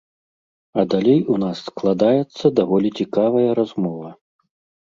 А далей у нас складаецца даволі цікавая размова.